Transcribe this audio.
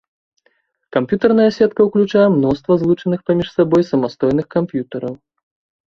Камп'ютарная сетка ўключае мноства злучаных паміж сабой самастойных камп'ютараў.